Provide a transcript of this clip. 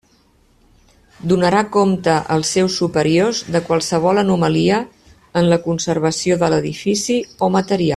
Donarà compte als seus superiors de qualsevol anomalia en la conservació de l'edifici o material.